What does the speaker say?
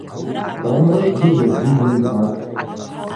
Къомракӏгьи закӏгьи гьйымхӏватӏ.